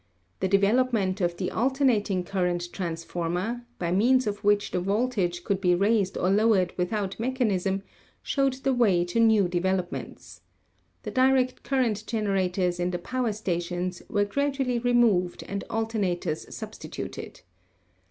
The development of the alternating cur rent transformer, by means of which the voltage could be raised or lowered without mechanism, showed the way to new developments. The direct current generators in the power stations were gradually removed and alternators substituted.